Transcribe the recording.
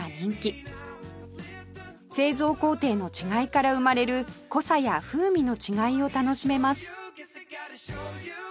製造工程の違いから生まれる濃さや風味の違いを楽しめます